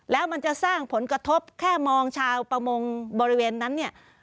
แล้วมันจะสร้างผลกระทบแค่มองชาวประมงบริเวณนั้นเนี่ย